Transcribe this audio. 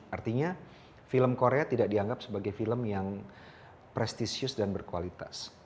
artinya film korea tidak dianggap sebagai film yang prestisius dan berkualitas